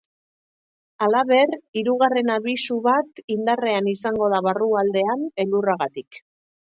Halaber, hirugarren abisu bat indarrean izango da barrualdean, elurragatik.